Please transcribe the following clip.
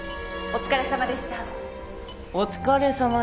お疲れさまでした。